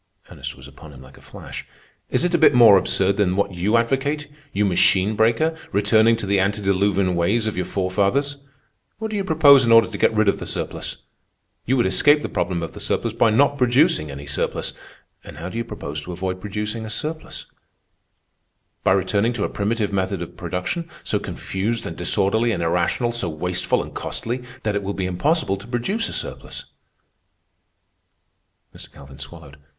Ernest was upon him like a flash. "Is it a bit more absurd than what you advocate, you machine breaker, returning to the antediluvian ways of your forefathers? What do you propose in order to get rid of the surplus? You would escape the problem of the surplus by not producing any surplus. And how do you propose to avoid producing a surplus? By returning to a primitive method of production, so confused and disorderly and irrational, so wasteful and costly, that it will be impossible to produce a surplus." Mr. Calvin swallowed.